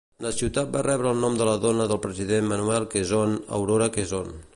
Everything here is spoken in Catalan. La ciutat va rebre el nom de la dona del president Manuel Quezon, Aurora Quezon.